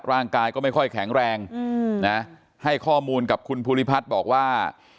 ร่างกายก็ไม่ค่อยแข็งแรงนะให้ข้อมูลกับคุณภูริพัฒน์บอกว่า